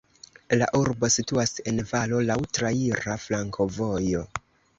La urbo situas en valo, laŭ traira flankovojo.